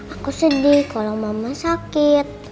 aku sedih kalau mama sakit